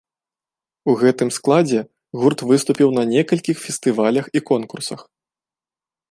У гэтым складзе гурт выступіў на некалькіх фестывалях і конкурсах.